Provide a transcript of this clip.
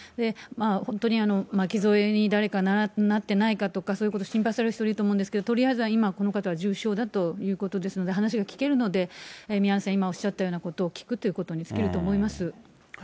本当に巻き添えに誰かなってないかとか、そういうこと心配されてる人いると思うんですけれども、とりあえず今、この方は重傷だということですので、話を聞けるので、宮根さん、今おっしゃったようなことを聞くということに尽きると思います。